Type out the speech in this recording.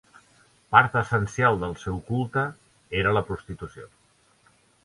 Part essencial del seu culte era la prostitució.